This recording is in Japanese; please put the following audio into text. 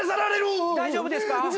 大丈夫ですか？